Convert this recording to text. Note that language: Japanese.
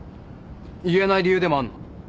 言えない理由でもあるの？